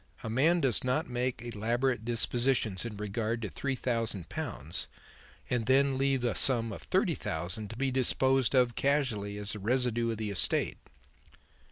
A man does not make elaborate dispositions in regard to three thousand pounds and then leave a sum of thirty thousand to be disposed of casually as the residue of the estate."